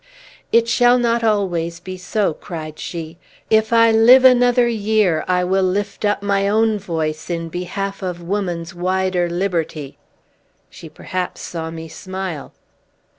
"It shall not always be so!" cried she. "If I live another year, I will lift up my own voice in behalf of woman's wider liberty!" She perhaps saw me smile.